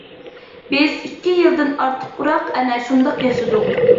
بىز ئىككى يىلدىن ئارتۇقراق ئەنە شۇنداق ياشىدۇق.